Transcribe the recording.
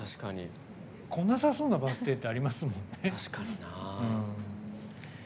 来なさそうなバス停ってありますもんね。